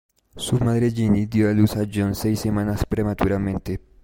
Su madre Ginny dio luz a John seis semanas prematuramente.